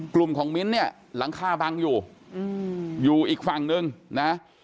กลุ่มของมิ้นท์เนี่ยหลังคาบังอยู่อยู่อีกฝั่งนึงนะ